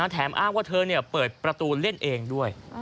แถมอ้างว่าเธอเปิดประตูเล่นเองด้วย